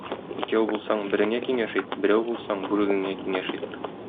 Икәү булсаң, береңә киңәш ит, берәү булсаң, бүрегеңә киңәш ит.